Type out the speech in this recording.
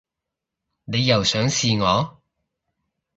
你又想試我